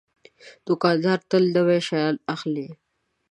دوکاندار تل نوي شیان اخلي.